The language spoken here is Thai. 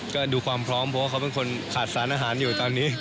ก็ดูความพร้อมเพราะว่าเขาเป็นคนขาดสารอาหารอยู่ตอนนี้